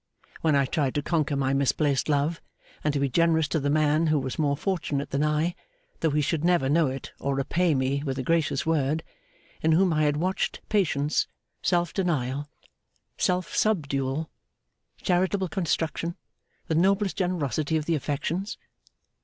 When I tried to conquer my misplaced love, and to be generous to the man who was more fortunate than I, though he should never know it or repay me with a gracious word, in whom had I watched patience, self denial, self subdual, charitable construction, the noblest generosity of the affections?